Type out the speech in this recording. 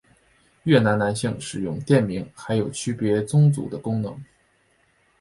越南男性使用垫名还有区别宗族的功能。